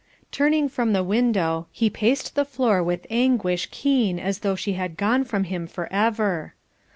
Turning from the window, he paced the floor with anguish keen as though she had gone from him for ever.